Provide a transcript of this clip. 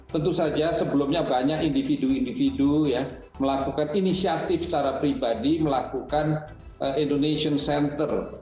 tentu saja sebelumnya banyak individu individu melakukan inisiatif secara pribadi melakukan indonesian center